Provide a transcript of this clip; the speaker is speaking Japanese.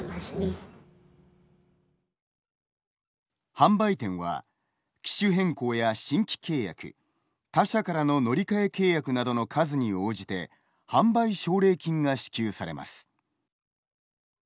販売店は機種変更や新規契約他社からの乗り換え契約などの数に応じて販売奨励金が支給されます。